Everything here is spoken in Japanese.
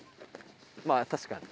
まぁ確かに。